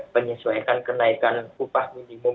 penyesuaikan kenaikan upah minimum